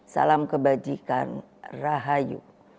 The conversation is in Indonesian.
salam kebajikan rahayu